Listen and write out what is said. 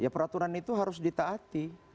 peraturan itu harus ditaati